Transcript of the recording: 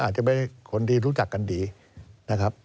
อาจจะไม่ใช่คนที่รู้จักกันดีนะครับ